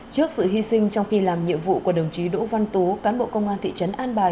trước sự hy sinh trong khi làm nhiệm vụ của đồng chí đỗ văn tú cán bộ công an thị trấn an bài